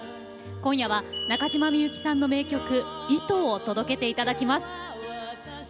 今夜は、中島みゆきさんの名曲「糸」を届けていただきます。